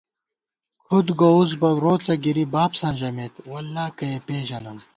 کھُد گوؤس بہ روڅہ گِری بابساں ژمېت “واللہ کہ ئے پېژَنم”